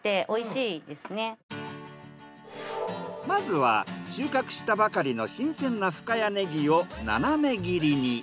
まずは収穫したばかりの新鮮な深谷ねぎをななめ切りに。